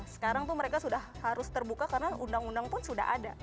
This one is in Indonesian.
sekarang tuh mereka sudah harus terbuka karena undang undang pun sudah ada